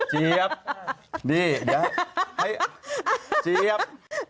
เจี๊ยบนี่เดี๋ยวเจี๊ยบ